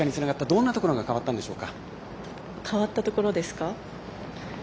どんなところが変わったところですか？